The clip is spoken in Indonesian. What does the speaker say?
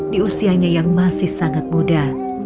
di usianya yang masih sangat muda